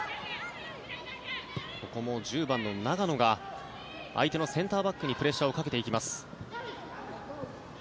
ここも１０番の長野が相手のセンターバックにプレッシャーをかけていきます。